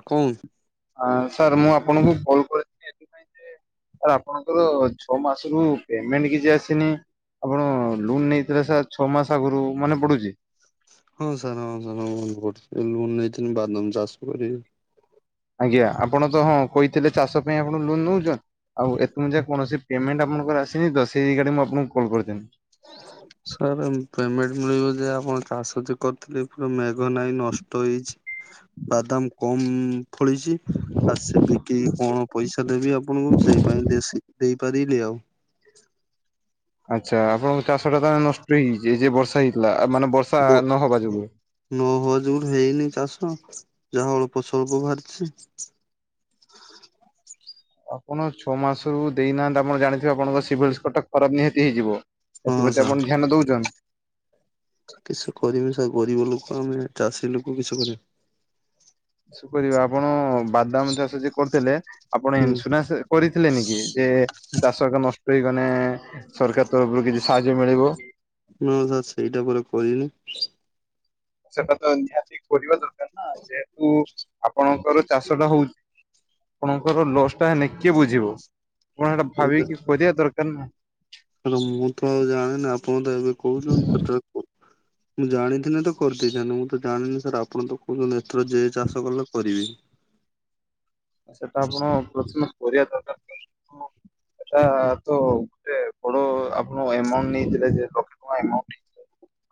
ଆ କଉ [unintelligible] ଆଁ ସାର୍ ମୁଁ ଆପଣଙ୍କୁ କଲ୍ କରିଥିଲି। ଏଥିପାଇଁ ସାର୍ ଆପଣଙ୍କର ଛଅ ମାସରୁ ପେମେଣ୍ଟ କିଛି ଆସିନି। ଆପଣ ଲୁନ୍ ନେଇଥିଲେ ସାର୍ ଛଅ ମାସ ଆଗୁରୁ ମନେ ପଡୁଛି। ହଁ ସାର୍ ହଁ ସାର୍ ହଁ ମୋ ମନେ ପଡୁଛି ଲୋନ୍ ନେଇଥିଲି ବାଦାମ ଚାଷ କରିବି ଆଜ୍ଞା ଆପଣ ତ ହଁ କହିଥିଲେ ଚାଷ ପାଇଁ ଆପଣ ଲୋନ୍ ନଉଛନ ଆଉ ଏଥମ ଯାଏ କୌଣସି ପେମେଣ୍ଟ ଆପଣଙ୍କର ଆସିନି ତ ସେଇ ରିଗାଡ଼ି ମୁଁ ଆପଣଙ୍କୁ କଲ କରିଥିଲି। ସାର୍ ପେମେଣ୍ଟ ମିଳିବ ଯେ ଆପଣ ଚାଷ ଯୋ କ ଥିରେ ପୁରା ମେଘ ନାଇ ନଷ୍ଟ ହେଇଛି ବାଦାମ କମ୍ ଫଳିଛି ଆ ସେ ବିକି କି କଣ ପଇସା ଦେବି ଆପଣଙ୍କୁ ସେଇ ପାଇଁ ଦେଶି-ଦେଇ ପାରିଲେ ଆଉ ଆଚ୍ଛା ଆପଣଙ୍କ ଚାଷ ଟା ତାହେଲେ ନଷ୍ଟ ହେଇଯାଇଛି ଏ ଯିଏ ବର୍ଷା ହେଇଥିଲା ମାନେ ବର୍ଷା ନହବା ଯୋଗୁ। ନ ହବା ଯୋଗୁ ହେଇନି ଚାଷ ଯାହା ଅଳ୍ପ ସ୍ୱଳ୍ପ ବାହାରିଛି। ଆପଣ ଛଅ ମାସରୁ ଦେଇନାହାନ୍ତି ଆପଣ ଜାଣିଥିବେ ଆପଣଙ୍କ [unintelligible] ଖରାପ ନିହାତି ହେଇଯିବ। ହଁ ଏଥିପ୍ରତି ଆପଣ ଧ୍ୟାନ ସାର୍। ଦଉଛନ୍ତି? କିସ କରିବି ସାର୍ ଗରିବ ଲୋକ ଆମେ ଚାଷୀ ଲୋକ କିସ କରି କିସକରିବେ ଆପଣ ବାଦାମ ଚାଷ ଯେ କରିଥିଲେ ଆପଣ ହୁଁ ଇନ୍ସୁରାନ୍ସ କରିଥିଲେନି କି ଯେ ଚାଷ ହେକା ନଷ୍ଟ ହେଇଗନେ ସରକାର ତରଫରୁ କିଛି ସାହାଯ୍ୟ ମିଳିବ। ନା ସାର୍ ସେଇଟା ପୁରା କରିନି। ସେଟା ତ ନିହାତି କରିବା ଦରକାର ନା ଯେହେତୁ ଆପଣଙ୍କର ଚାଷ ଟା ହଉଛି ଆପଣଙ୍କର ଲସ୍ ଟା ହେନେ କିଏ ବୁଝିବ ଆପଣ ସେଟା ଭାବିକି କରିବା ଦରକାର ନା। ହେଲେ ମୁଁ ତ ଆଉ ଜାଣିନି ଆପଣ ତ ଏବେ କହୁଛନ୍ତି ସେଥିରେ ମୁଁ ଜାଣିଥିଲେ ତ କରିଦେଇଥାନ୍ତି ମୁଁ ତ ଜାଣିନି ସାର୍ ଆପଣ ତ କହୁଛନ୍ତି ଏଥର ଯିଏ ଚାଷ କଲେ କରିବେ। ସେଟା ଆପଣ ପ୍ରଥମେ କରିବା ଦରକାର [unintelligible] ଏଟା ତ ଏତେ ବଡ ଆପଣ ଏମାଉଣ୍ଟ ନେଇଥିଲେ ଯେ ଲକ୍ଷେ ଟଙ୍କା ଏମାଉଣ୍ଟ ନେଇ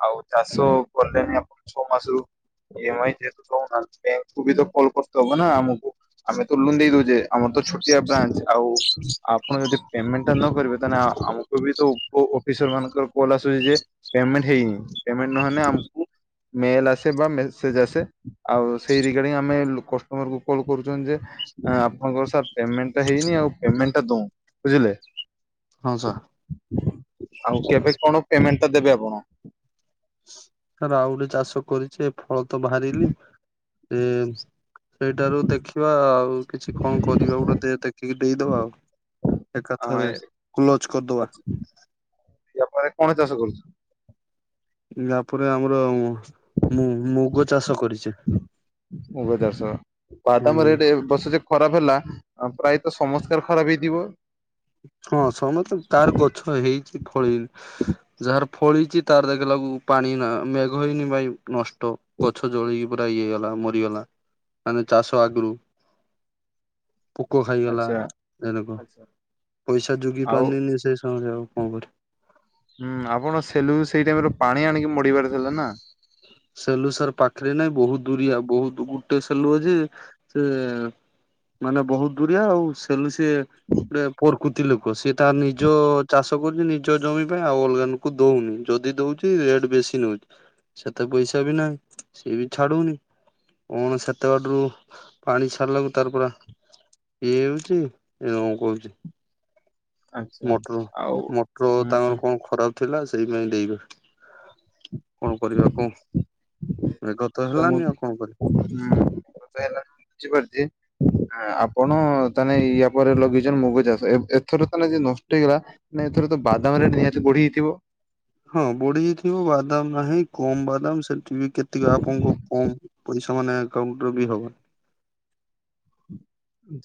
ଆଉ ଚାଷ କଲେଣିି ଆପଣ ଛଅ ମାସରୁ ଇ -ଏମ-ଆଇ ଯେହେତୁ ଦଉନାହାନ୍ତି କୁବି ତ କଲ କରତେ ହବ ନା ଆମକୁ। ଆମେ ତ ଲୁନ୍ ଦେଇ ଦେଉଛେ ଆମର ତ ଛୋଟିଆ ବ୍ରାଞ୍ଚ ଆଉ ଆପଣ ଯଦି ପେମେଣ୍ଟ ଟା ନ କରିବେ ତାହେନେ ଆ ଆମକୁ ଆମକୁ ବି ତ ଉପ ଅଫିସର ମାନଙ୍କର କଲ ଆସୁଛି ଯେ ପେମେଣ୍ଟ ହେଇନି ପେମେଣ୍ଟ ନହେନେ ଆମକୁ ମେଲ ଆସେ ବା ମେସେଜ ଆସେ ଆଉ ସେଇ ରିଗାର୍ଡିଙ୍ଗ ଆମେ କଷ୍ଟମର କୁ କଲ୍ କରୁଛନ୍ତି ଯେ ଆ ଆପଣଙ୍କର ସାର୍ ପେମେଣ୍ଟ ତ ହେଇନି ଆଉ ପେମେଣ୍ଟ ଟା ଦୋ ବୁଝିଲେ। ହଁ ସାର୍। ଆଉ କେବେ କଣ ପେମେଣ୍ଟ ଟା ଦେବେ ଆପଣ? ସାର୍ ଆଉ ଗୋଟେ ଚାଷ କରିଛି ଫଳ ତ ବାହାରିଲି ଏ ସେଇଟାରୁ ଦେଖିବା ଆଉ କିଛି କଣ କରିବା ଗୋଟେ ଦେ ଦେଖିକି ଦେଇଦବା ଆଉ। ଆ ଏକାଥରେ କ୍ଲୋଜ କରିଦବା। ୟା ପରେ କଣ ଚାଷ କରୁଛୁ। ୟା ପରେ ଆମର ମୁ ମୁଗ ଚାଷ କରିଚି। ମୁଗ ଚାଷ ବାଦାମ ହୁଁ ରେଟ ଏ ବର୍ଷ ଯେ ଖରାପ ହେଲା ପ୍ରାୟତଃ ସମସ୍ତେ ଖରାପ ହେଇଥିବ। ହଁ ସମସ୍ତେ କାର ଗଛ ହେଇଛି ଫଳିନି। ଯାହାର ଫଳିଛି ତାର ଦେଖିଲାଗୁ ପାଣି ନା ମେଘ ହେଇନି ଭାଇ ନଷ୍ଟ। ଗଛ ଜଳିକି ପୁରା ଇଏ ହେଇଗଲା ମରିଗଲା ମାନେ ଚାଷ ଆଗରୁ ପୋକ ଖାଇଗଲା ଆଚ୍ଛା। ଏରକ। ପଇସା ଜୁଗେଇ ଆଉ ପାରନିନି ସେ ସମୟରେ ଆଉ କଣ କରିବି। ହୁଁ ଆପଣ ସେଲୁଗୁ ସେଇ ଟାଇମରେ ପାଣି ଆଣିକି ମଡେଇବାର ଥିଲା ନା। ସେଲୁ ସାର୍ ପାଖରେ ନାଇଁ ବହୁତ ଦୂରିଆ ବହୁତ ଗୁଟେ ସେଲୁ ଅଛି ସେ ମାନେ ବହୁତ ଦୁରିଆ ଆଉ ସେଲୁ ସିଏ ଗୁଟେ ପୋର୍ କୃତି ଲୋକ ସିଏ ତା ନିଜ ଚାଷ କରୁଛି ନିଜ ଜମି ପାଇଁ ଆଉ ଅଲଗା ନୋକ ଦଉନି ଯଦି ଦଉଚି କି ରେଟ୍ ବେଶି ନଉଚି। ଏତେ ପଇସା ବି ନାହିଁ ସିଏ ବି ଛାଡୁନି। କଣ ସେତେ ବାଟରୁୁ ପାଣି ଛାଡ଼ିଲାକୁ ତାର ପୁରା ଇଏ ହେଉଛି ଏ ରମକ କରୁଛି। ଆଚ୍ଛା ମଟର ଆଉ ମଟର ହୁଁ ତାଙ୍କର କଣ ଖରାପ୍ ଥିଲା ସେଇପାଇଁ ଡେଇବେ, କଣ କରିବା କୁହ? ମେଘ ତ ଆଚ୍ଛା ହେଲାନି ଆଉ କଣ କରିବା? ହେଲାନି ମୁଁ ବୁଝି ପାରୁଚି। ଆପଣ ତାହେନେ ଇୟା ପରେ ଲଗେଇଚନ୍ତି ମୁଗ ଚାଷ ଏ-ଏଥର ତାହେଲେ ଯଦି ନଷ୍ଟ ହେଇଗଲା ନାଇଁ ଏଥର ତ ବାଦାମ ରେଟ୍ ନିହାତି ବଢିଯାଇଥିବ? ହଁ ବଢିଯାଇଥିବ ବାଦାମ୍ ନାହିଁ କମ ବାଦାମ୍ ସେଠି ବି କେତିକ ଆପଣଙ୍କୁ କମ୍ ପଇସା ମାନେ ଏକାଉଣ୍ଟରେ ବି ହବନି।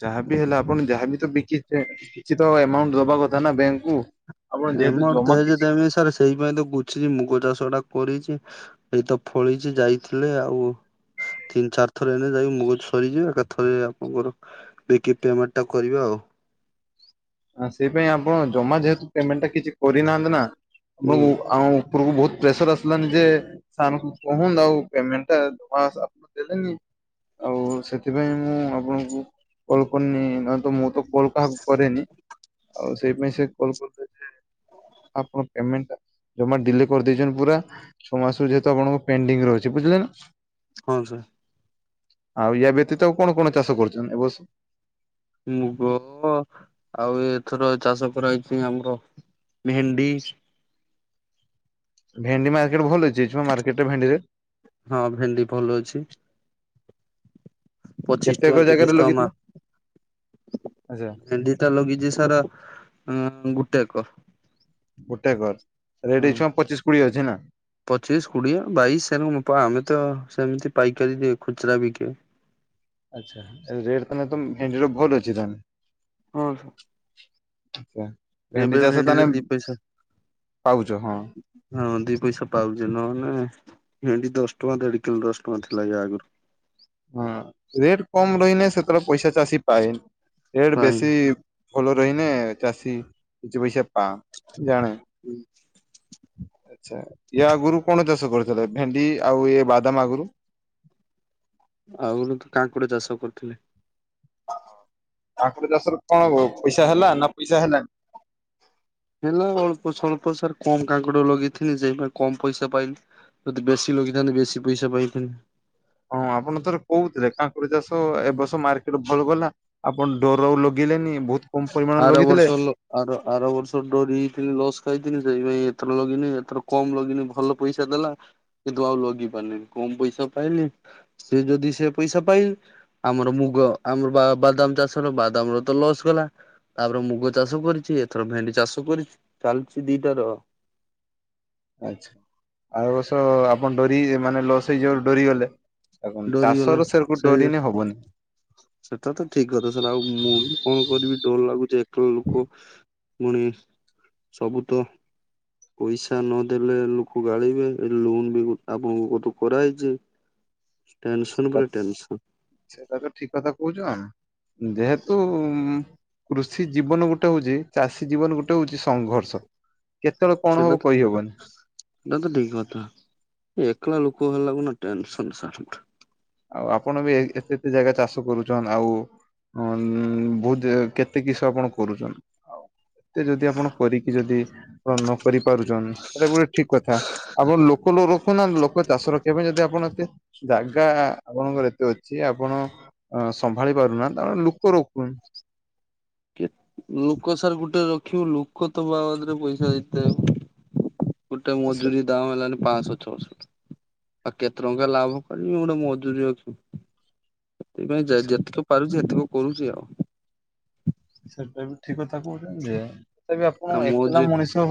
ଯାହାବି ହେଲା ଆପଣ ଯାହାବି ତ ବିକିଥିବେ କିଛି ତ ଏମାଉଣ୍ଟ୍ ଦବା କଥା ନା ବ୍ୟାଙ୍କକୁୁ। [inaudible] ସେଇପାଇଁ ତ ଗୁଛିଛି ମୁଗ ଚାଷ ଟା କରିଚି ଏଇତ ଫଳିଚି ଯାଇଥିଲେ ଆଉ ତିନି ଚାରି ଥର ଏନେ ଯାଇକି ମୁଗ ସରିଯିବେ ଏକା ଥରେ ଆପଣଙ୍କର ବିକି ପେମେଣ୍ଟଟା କରିବା ଆଉ। ଆ ସେଇ ପାଇଁ ଆପଣ ଜମା ଯେହେତୁ ପେମେଣ୍ଟା କିଛି କରିନାହାନ୍ତି ନା, ହୁଁ ଆପଣଙ୍କୁ ଆଉଁ ଉପୁରୁକୁ ବହୁତ ପ୍ରେସର ଆସିଲାନି ଯେ ସାରଙ୍କୁ କୁହନ୍ତୁ ଆଉ ପେମେଣ୍ଟ୍ ଟା ଜମା ଆପଣ ଦେଲେନି। ଆଉ ସେଥିପାଇଁ ମୁଁ ଆପଣଙ୍କୁ କଲ୍ କରିନି, ନହେଲେ ମୁ ତ କଲ୍ କାହାକୁ କରେନି। ଆଉ ସେଇପାଇଁ ସେ କଲ୍ କରିଛନ୍ତି। ଆପଣ ପେମେଣ୍ଟ ଟା ଜମା ଡିଲେ କରିଦେଇଚନ୍ତି ପୁରା। ଛମାସର ଯେହେତୁ ଆପଣଙ୍କର ପେଣ୍ଡିଂରେ ଅଛି ବୁଝିଲେ ନା। ହଁ ସାର୍। ଆଉ ୟା ବ୍ୟତୀତ ଆଉ କଣ କଣ ଚାଷ କରୁଚନ୍ତି ଏ ବର୍ଷ? ମୁଗ, ଆଉ ଏଥର ଚାଷ କରାହେଇଚି ଆମର ଭେଣ୍ଡି ଭେଣ୍ଡି ମାର୍କେଟ ଭଲ ଅଛି ଏଛୁଅ ମାର୍କେଟରେ ଭେଣ୍ଡିରେ। ହଁ ଭେଣ୍ଡି ଭଲ ଅଛି। ପଚିଶ କେତେକ ଟଙ୍କା ଜାଗାରେ ତିରିଶ ଟଙ୍କା ମା ଲଗେଇଥିଲେ ଆଚ୍ଛା ଭେଣ୍ଡି ଟା ଲାଗିଚି ସାର୍ ଉ ଗୁଟେ ଏକର୍। ଗୋଟେ ଏକର ରେଟ୍ ହଁ। ଏଛୁଆଁ ପଚିଶ କୋଡିଏ ଅଛି ନା? ପଚିଶ, କୋଡ଼ିଏ, ବାଇଶି, ସେ ଆମେ ତ ସେମିତି ପାଇକାରୀ ଦିଏ ଖୁଚୁରା ବିକେ। ଆଚ୍ଛା ରେଟ ତାହାନେ ତ ଭେଣ୍ଡିର ଭଲ୍ ଅଛି ତାନେ। ହଁ। ଭେ-ଭେଣ୍ଡି ଚାଷ ଭେଣ୍ଡିରେ ତାନେ ଦି ପଇସା ପାଉଚ ହଁ। ହଁ ଦି ପଇସା ପାଉଚି ନହନେ, ଭେଣ୍ଡି ଦଶଟଙ୍କା ଦେଢ କିଲୋ ଦଶଟଙ୍କା ଥିଲା ୟା ଆଗରୁ। ହଁ ରେଟ୍ କମ ରହିନେ ସେତେବେଳେ ପଇସା ଚାଷୀ ପାଏନି, ରେଟ ପାଇନି। ବେଶୀ ଭଲ ରହିନେ ଚାଷୀ କିଛି ପଇସା ପା ଜାଣେ। ହୁଁ। ଆଚ୍ଛା ୟା ଆଗୁରୁ କଣ ଚାଷ କରିଥିଲେ, ଭେଣ୍ଡି ଆଉ ଇଏ ବାଦାମ୍ ଆଗୁରୁ? ଆଗରୁ ତ କାଂକୁଡି ଚାଷ କରିଥିଲି। କାକୁଡି ଚାଷରେ କଣ ପଇସା ହେଲା ନା ପଇସା ହେଲାନି? ହେଲା ଅଳ୍ପ ସ୍ୱଳ୍ପ ସାର୍ କମ କାଙ୍କଡ ଲଗେଇଥିଲି ଯେ ସେଇପାଇଁ କମ ପଇସା ପାଇଲି। ଯଦି ବେଶୀ ଲଗେଇଥାନ୍ତି ବେଶୀ ପଇସା ପାଇଥାନ୍ତି। ହଁ ଆପଣ ଥରେ କହୁଥିଲେ, କାଙ୍କଡ ଚାଷ ଏବର୍ଷ ମାର୍କେଟ ରେ ଭଲ ଗଲା। ଆପଣ ଡରରେ ଆଉ ଲଗେଇଲେନି ବହୁତ କମ ପରିମାଣ ଆର ଲଗେଇଥିଲେ ବର୍ଷ ଲ ଆର- ଆର ବର୍ଷ ଡରି ଯାଇଥିଲି ଲସ୍ ଖାଇଥିଲି ସେଇପାଇ ଏଥର ଲଗେଇଲିନି ଏଥର କମ୍ ଲଗିଲି ଭଲ ପଇସା ଦେଲା କିନ୍ତୁ ଆଉ ଲଗେଇ ପାରିଲିନି କମ୍ ପଇସା ପାଇଲି। ସେ ଯଦି ସେ ପଇସା ପାଇ ଆମର ମୁଗ ଆମର ବା ବାଦାମ୍ ଚାଷର ବାଦାମ୍ ର ତ ଲସ୍ ଗଲା। ତାପରେ ମୁଗ ଚାଷ କରିଚି ଏଥର ଭେଣ୍ଡି ଚାଷ କରିଚି ଚାଲିଚି ଦିଟା ର। ଆଛା ଆର ବର୍ଷ ଆପଣ ଡରି ମାନେ ଲସ୍ ହେଇଯିବ ବୋଲି ଡରି ଗଲେ। ଦେଖନ୍ତୁ ଚାଷ ଡରିଗଲା ରେ ସେ [unintelligible] ସେଇ ଡରି ଲେ ହବନି। ସେଟା ତ ଠିକ୍ କଥା ସାର୍ ଆଉ ମୁଁ ବି କଣ କରିବି ଡର ଲାଗୁଚି ଏକେଲା ଲୋକ। ପୁଣି ସବୁ ତ ପଇସା ନଦଲେ ଲୋକ ଗାଳିବେ ଏ ଲୋନ୍ ବି ଆପଣଙ୍କଠୁ କରାହେଇଚି। ଟେନସନ୍ ପରେ ଟେନସନ୍। ସେଇଟା ତ ଠିକ୍ କଥା କହୁଚ ଯେହେତୁ ଉଁ କୃଷି ଜୀବନ ଗୋଟେ ହଉଚି ଚାଷୀ ଜୀବନ ଗୋଟେ ହଉଚି ସଂଘର୍ଷ। କେତେବେଳେ କଣ ହବ କହିହବନି। ଏଇଟା ତ ଠିକ୍ କଥା ଏକେଲା ଲୋକ ହେଲେ କଣ ନା ଟେନସନ୍ [unintelligible] ଆଉ ଆପଣ ବି ଏତେ- ଏତେ ଜାଗା ଚାଷ କରୁଚନ୍ ଆଉ ହଁ ବହୁତ୍ କେତେ କିସ ଆପଣ କରୁଚନ୍ ଆଉ। ଏତେ ଯଦି ଆପଣ କରିକି ଯଦି ନ କରି ପାରୁଚନ୍ [unintelligible] ଗୋଟେ ଠିକ୍ କଥା ଆପଣ ଲୋକ ଲ ରଖୁନା ଲୋ ଚାଷ ରଖିବା ପାଇଁ ଯଦି ଆପଣ ଏତେ ଜାଗା ଆପଣଙ୍କର ଏତେ ଅଛି ଆପଣ ସମ୍ଭାଳି ପାରୁନାହାନ୍ତି ତା ମାନେ ଲୋକ ରଖୁ କେ ଲୋକ ସାର ଗୋଟେ ରଖିବୁ ଲୋକ ତ ବାବଦରେ ପଇସା ଦେଇଥାଉ। ଗୋଟେ ସେ ମଜୁରୀ ଦାମ୍ ହେଲାନି ପାଞ୍ଚଶ ଛଅଶ ଆଉ କେତେ ଟଙ୍କା ଲାଭ କରିବି ଗୋଟେ ମଜୁରୀ ରଖିବି। ସେଥିପାଇଁ ସେ ଯେ-ଯେତିକ ପାରୁଚି ହେତିକ କରୁଚି ଆଉ। ସେଟା ବି ଠିକ୍ କଥା କହୁଚନ୍ତି ଯେ ତଥାପି ଆପଣ ଏକେଲା ମଣିଷ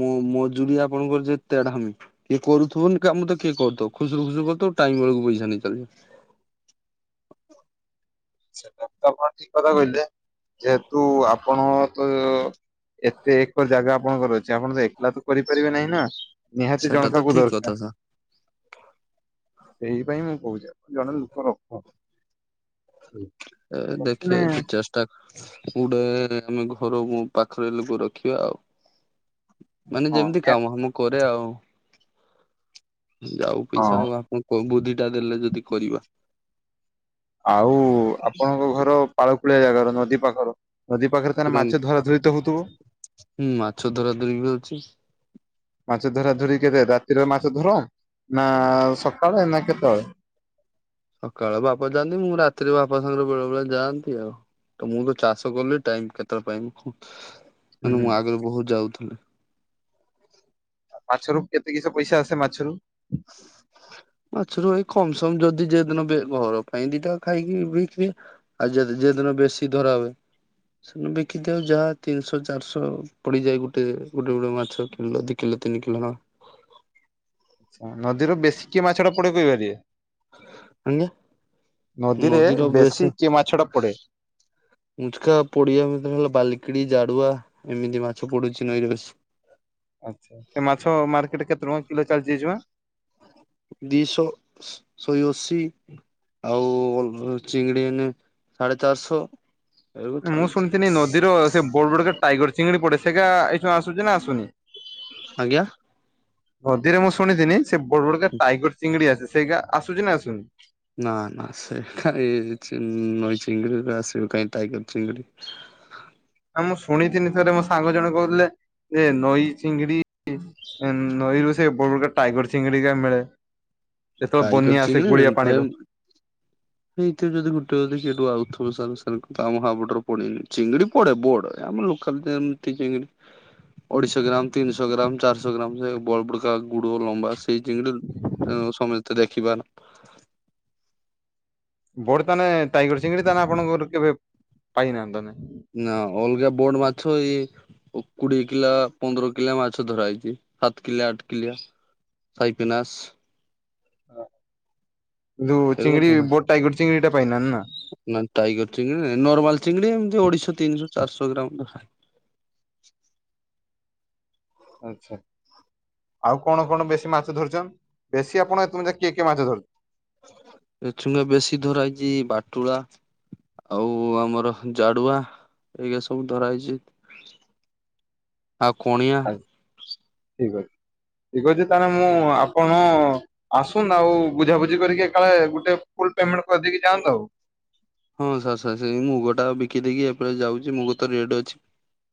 ମୁଁ ମୋ ମଜୁରୀ ଆପଣଙ୍କର ଯେ ତେଢାମି। କିଏ କରୁଥିବନି କାମ ତ କିଏ କରୁଥିବ ଖୁସୁରୁ ଖୁସୁ କରୁଥିବ ଟାଇମ୍ ବେଳକୁ ପଇସା ନେଇ ଚାଲିବ। ସେଟା ତ ଆପଣ ଠିକ୍ କଥା କହିଲେ ଯେହେତୁ ଆପଣ ତ ଏତେ ଏକର ଜାଗା ଆପଣଙ୍କର ଅଛି ଆପଣ ତ ଏକେଲା ତ କରିପାରିବେ ନାହିଁ ନା ନିହାତି ସେଟା ଜଣେ ତ କାହାକୁ ଠିକ କଥା ଦରକାର୍। ସାର୍ ସେଇଥିପାଇଁ ମୁଁ କହୁଚି ଜଣେ ଲୋକ ରଖ। ଏ ରଖିଲେ ଦେଖିବା ତ ଚେଷ୍ଟ୍ ତା ଗୁଟେ ଆମେ ଘର ପାଖେରେ ଲୋକ ରଖିବା ଆଉ। ମାନେ ହଁ ଯେମିତି ନିହାତି କାମ ଫାମ କରିଆ ଆଉ। ଯାଉ ହଁ ପଇସା ଆଉ ଆପଣ ବୁଦ୍ଧି ଟା ଦେଲେ ଯଦି କରିବା। ଆଉ ଆପଣଙ୍କ ଘର ପାଳକୁଳିଆ ଜାଗାର ନଦୀ ପାଖର। ନଦୀ ପାଖେରେ ତା ହେଲେ ପୁରା ମାଛ ଧରା ଧରି ତ ହଉଥିବ? ହୁଁ ମାଛ ଧରା ଧରି ବି ହଉଚି। ମାଛ ଧରା ଧରି କେବେ ରାତିରେ ମାଛ ଧର ନା ସକାଳେ ନା କେତେବେଳେ? ସକାଳେ ବାପା ଯାଆନ୍ତି ମୁଁ ରାତିରେ ବାପା ସାଙ୍ଗରେ ବେଳେ ବେଳେ ଯାଆନ୍ତି ଆଉ। ତ ମୁଁ ତ ଚାଷ କଲି ଟାଇମ୍ କେତେବେଳେ ପାଇବି ହୁଁ ମାନେ ହୁଁ ମୁଁ ଆଗରୁ ବହୁତ୍ ଯାଉଥିଲି। ମାଛରୁ କେତେ କିସ ପଇସା ଆସେ ମାଛରୁ? ହ [inaudible] ମାଛରୁ ଏଇ କମ୍ [unintelligible] ଯଦି ଯଉଦିନ ଘର ପାଇଁ ଦିଟା ଖାଇକି ବିକି ଆଉ ଯଦି ଯେଦିନ ବେଶୀ ଧରାହୁଏ। ସେ ବିକିଥାଉ ଯାହା ତିନିଶହ ଚାରିଶହ ପଡିଯାଏ ଗୋଟେ ଗୋଟେ ଗୋଟେ ମାଛ କିଲୋ ଅଧିକ କିିଲୋ ତିନ କିିଲୋ ନଦୀର ବେଶୀ କି ମାଛ ଟା ପଡେ କହିପାରିବେ। ଆଜ୍ଞା। ନଦୀରେ ନଦୀର ବେଶୀ କେଉଁ ମାଛଟା ପଡେ। ମୁଚୁକା ପଡିିବା ଭିତରେ ହେଲା ବାଲିକିଡି ଜାଡୁଆ ଏମିତି ମାଛ ପଡୁଛି ନଈରେ ବେଶି। ଏ ମାଛ ମାର୍କେଟରେ କେତେ ଟଙ୍କା କିଲୋ ଚାଲିଛି ଏଇଜୁଣା। ଦିଶହ। ଶହେ ଅଶୀ ଆଉ ଚିଙ୍ଗିଡି ଏଇନେ ସାଢେ ଚାରିଶହ। ଏବେ ମୁଁ ଚାଲିଛି ଶୁଣିଥିଲି ନଦୀର ସେ ବଡ ବଡ ଗେ ଟାଇଗର ଚିଙ୍ଗୁଡି ପଡେ ସେଇଟା ଏଇଶୁଣା ଆସୁଛି ନା ଆସୁନି। ଆଜ୍ଞା। ନଦୀରେ ମୁଁ ଶୁଣିଥିନି ସେ ବଡ ବଡଗା ଟାଇଗର ଚିଙ୍ଗିଡି ଆସେ ସେଇଗା ଆସୁଛି ନା ଆସୁନି। ନା ନା ସେ କା ନଈ ଚିଙ୍ଗିଡି ଆସିବ କାହିଁ ଟାଇଗର ଚିଙ୍ଗିଡି। ନା ମୁଁ ଶୁଣିଥିନି ଥରେ ମୋ ସାଙ୍ଗ ଜଣେ କହୁଥିଲେ ଯେ ନଈ ଚିଙ୍ଗିଡି ନଈରୁ ସେ ବଡ ବଡ ଗା ଟାଇଗର ଚିଙ୍ଗିଡି ଜା ମିଳେ। ଯେତେବେଳେ ଟାଇଗର ବନ୍ୟା ଆସେ ଗୁଳିଆ ପାଣିର। ନାଇଁ ଯଦି ଗୋଟେ ଅଧେ କେଠୁ ଆଉଥିବ ସାରେ ଆମ ହାବୁଡ଼ରେ ପଡିନି ଚିଙ୍ଗିଡି ପଢେ ବଡେ ଆମ ଲୋକାଲ ଯେମିତି ଚିଙ୍ଗିଡି ଅଢ଼େଶ ଗ୍ରାମ ତିନିଶ ଗ୍ରାମ ଚାରିଶ ଗ୍ରାମ ସେ ବ ବଡ଼ା ଗୁଡ ଲମ୍ବା ସେଇ ଚିଙ୍ଗିଡ଼ି କୁ ସମସ୍ତେ ଦେଖିବାର। ବୋଡ ତାନେ ଟାଇଗର ଚିଙ୍ଗିଡି ତାହେନେ ଆପଣଙ୍କର କେବେ ପାଇନାହାଁନ୍ତି ତ। ନା ଅଲଗା ବୋଡ ମାଛ ଏଇ କୋଡିଏ କିଲା ପନ୍ଦର କିଲିଆ ମାଛ ଧରା ହେଇଛି ସାତ କିଲା ଆଠ କିଲା ସାଇପିନାସ ଯୋଉ ଏରକ ଚିଙ୍ଗିଡି ଧରା ବୋଟ ଟାଇଗର ଚିଙ୍ଗିଡି ଟା ପାଇନାହାଁନ୍ତି ନା। ନା ଟାଇଗର ଚିଙ୍ଗିଡ଼ି ନର୍ମାଲ ଚିଙ୍ଗିଡି ଏମିତି ଅଢେଶହ ତିନିଶହ ଚାରିଶହ ଗ୍ରାମ ଆଉ କଣ କଣ ବେଶୀ ମାଛ ଧରିଛ ବେଶୀ ଆପଣ ଏତମେ ଯେ କିଏ କିଏ ମାଛ ଧରିଛନ୍ତି। ଏଛୁଙ୍ଗେ ବେଶୀ ଧରା ହେଇଛି ବାଟୁଳା। ଆଉ ଆମର ଜାଡୁଆ ଏଇଗା ସବୁ ଧରାହେଇଛି। ଆଉ କଣିଆ। ଠିକ୍ ଅଛି। ଠିକ୍ ଅଛି ତାହେନେ ମୁଁ ଆପଣ ଆସନ୍ତୁ ଆଉ ବୁଝାବୁଝି କରିକି ଏକାଳେ ଗୋଟେ ଫୁଲ ପେମେଣ୍ଟ କରିଦେଇକି ଯାଆନ୍ତୁ ଆଉ। ହଁ ସାର୍ ସାର୍ ସେଇ ମୁଗଟା ବିକି ଦେଇକି ଏପାଳି ଯାଉଛି ମୁଗ ତ ରେଟ୍ ଅଛି।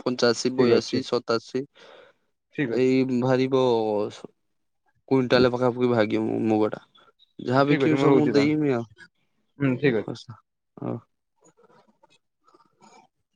ପଞ୍ଚାଅଶୀ, ଠିକ ବୟାଶୀ, ଅଛି ସତାଅଶୀ ଠିକ ଅଛି ଏଇ ବାହାରିବ କୁଇଣ୍ଟାଲ ପାଖାପାଖି ଭାଗିବ ମୁଗ ଟା। ଯାହା ଠିକ ଅଛି ବିକିମି ସବୁ ମୁଁ ରହୁଛି ତାହେଲେ ଦେଇମି ଆଉ। ହୁଁ ଠିକ ଅଛି।